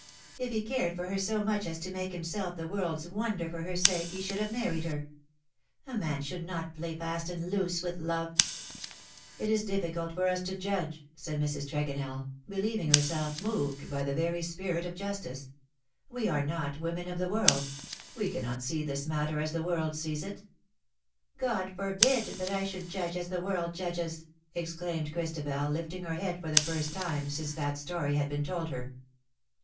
'' If he cared for her so much as to make himself the world's wonder for her sake he should have married her ; a man should not play fast and loose with love/^ ^^It is difficult for us to judge/' said Mrs. Tregonellj believing herself moved by the very spirit of justice,, " we are not women of the world — we cannot see this matter as the world sees it." " God forbid that I should judge as the world judges/' exclaimed Christabel, lifting her head for the first time since that story had been told her.